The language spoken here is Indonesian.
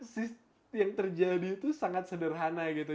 yang terjadi itu sangat sederhana gitu